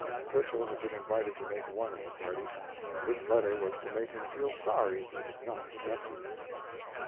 Twichell had been invited to make one of the party, and this letter was to make him feel sorry he had not accepted.